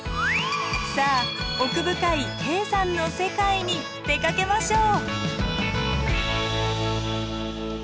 さあ奥深い低山の世界に出かけましょう！